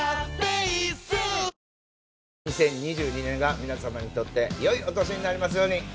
２０２２年が皆様にとってよいお年になりますように。